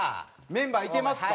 メンバーいてますか？